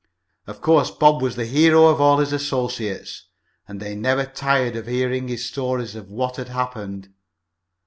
Of course Bob was the hero, of all his associates, and they never tired of hearing his stories of what had happened.